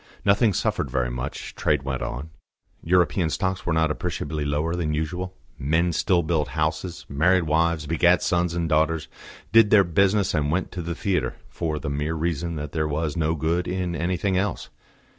Nothing suffered very much; trade went on; European stocks were not appreciably lower than usual; men still built houses, married wives, begat sons and daughters, did their business and went to the theatre, for the mere reason that there was no good in anything else.